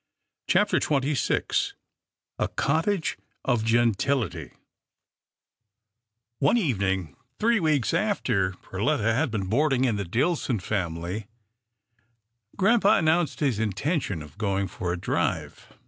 CHAPTER XXVI A COTTAGE OF GENTILITY One evening, three weeks after Perletta had been boarding in the Dillson family, grampa announced his intention of going for a drive.